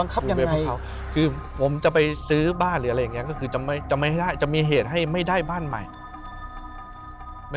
ใช่คือผมจะไปซื้อบ้านก็จะมีเหตุให้ไม่ได้บ้านใหม่